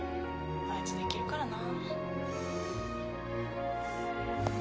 あいつできるからな。